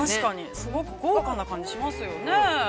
◆すごく豪華な感じがしますよね。